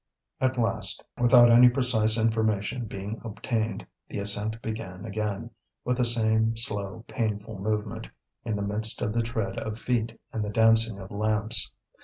At last, without any precise information being obtained, the ascent began again, with the same slow, painful movement, in the midst of the tread of feet and the dancing of lamps.